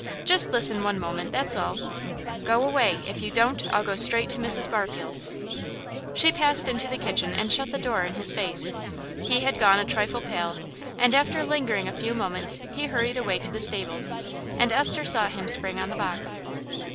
"Just listen one moment, that's all." "Go away. If you don't, I'll go straight to Mrs. Barfield." She passed into the kitchen and shut the door in his face. He had gone a trifle pale, and after lingering a few moments he hurried away to the stables, and Esther saw him spring on the box.